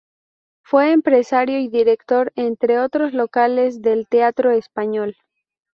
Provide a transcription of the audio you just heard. Fue empresario y director, entre otros locales, del Teatro Español.